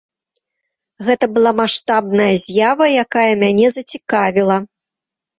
Гэта была маштабная з'ява, якая мяне зацікавіла.